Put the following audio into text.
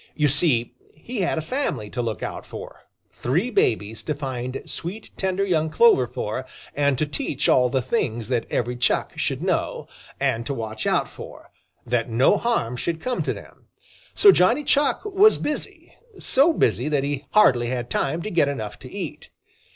You see, he had a family to look out for three babies to find sweet, tender young clover for and to teach all the things that every Chuck should know, and to watch out for, that no harm should come to them. So Johnny Chuck was busy, so busy that he hardly had time to get enough to eat.